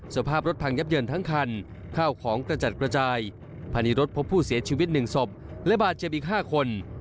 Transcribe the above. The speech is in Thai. สภาพรถพังยับเยินทั้งคันเข้าของแต่จัดกระจายพันธุ์รถพบผู้เสียชีวิตหนึ่งศพและบาดเจ็บอีกห้าคน